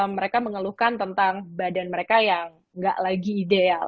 mereka mengeluhkan tentang badan mereka yang nggak lagi ideal